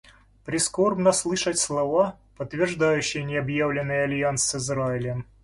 Прискорбно слышать слова, подтверждающие необъявленный альянс с Израилем.